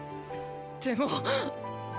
でも。